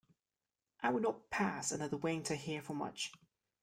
I would not pass another winter here for much.